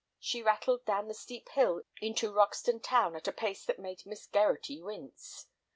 She rattled down the steep hill into Roxton town at a pace that made Miss Gerratty wince.